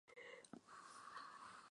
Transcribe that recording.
Atraviesa la placenta.